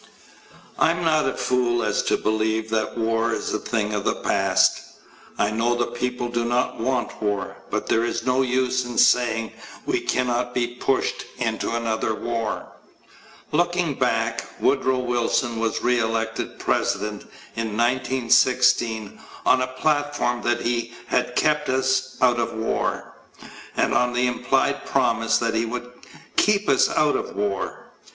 I am not a fool as to believe that war is a thing of the past. I know the people do not want war, but there is no use in saying we cannot be pushed into another war. Looking back, Woodrow Wilson was re elected president in 1916 on a platform that he had "kept us out of war" and on the implied promise that he would "keep us out of war."